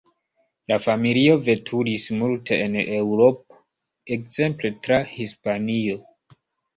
La familio veturis multe en Eŭropo, ekzemple tra Hispanio.